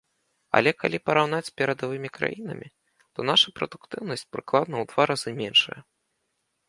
Але калі параўнаць з перадавымі краінамі, то нашая прадуктыўнасць прыкладна ў два разы меншая.